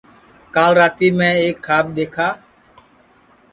کال راتی میں ایک کھاب دؔیکھا